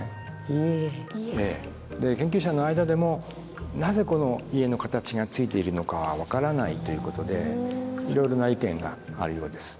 研究者の間でもなぜこの家の形がついているのかは分からないということでいろいろな意見があるようです。